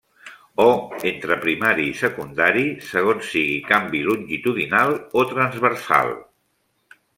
O entre primari i secundari segons sigui canvi longitudinal o transversal.